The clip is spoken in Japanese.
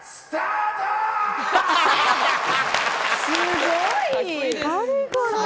すごい！